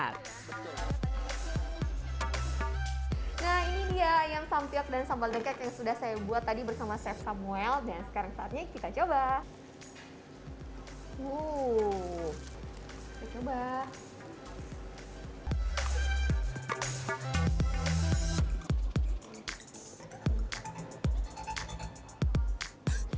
nah ini dia ayam sampyok dan sambal dengkek yang sudah saya buat tadi bersama chef samuel